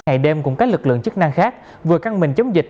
ngày đêm cùng các lực lượng chức năng khác vừa căng mình chống dịch